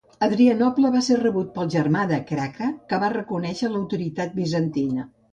A Adrianople va ser rebut pel germà de Krakra, que va reconèixer l'autoritat bizantina.